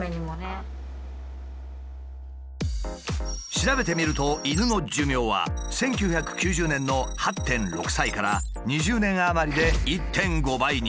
調べてみると犬の寿命は１９９０年の８．６歳から２０年余りで１．５倍に。